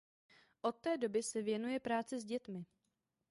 Od té doby se věnuje práci s dětmi.